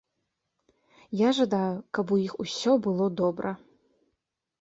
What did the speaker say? Я жадаю, каб у іх усё было добра.